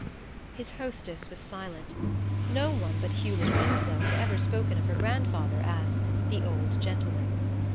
His hostess was silent. No one but Hewlett Winsloe had ever spoken of her grandfather as "the old gentleman."